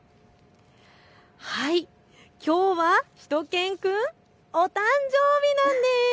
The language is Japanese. きょうはしゅと犬くん、お誕生日なんです。